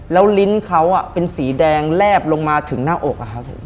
แล้วลิ้นเขาเป็นสีแดงแลบลงมาถึงหน้าอก